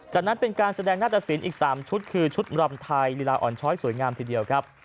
จากนั้นเป็นการแสดงหน้าตะสินอีก๓ชุดคือชุดรำไทยลีลาอ่อนช้อยสวยงามทีเดียวครับ